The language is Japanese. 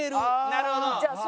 なるほど。